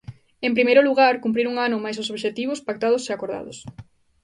En primeiro lugar, cumprir un ano máis os obxectivos pactados e acordados.